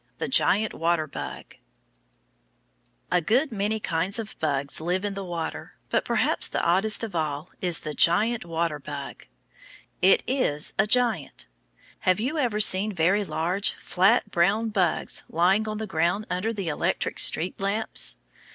THE GIANT WATER BUG A good many kinds of bugs live in the water, but perhaps the oddest of all is the giant water bug. It is a giant! Have you ever seen very large, flat brown bugs lying on the ground under the electric street lamps?